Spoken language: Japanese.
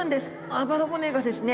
あばら骨がですね